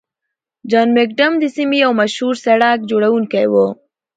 جان مکډم د سیمې یو مشهور سړک جوړونکی و.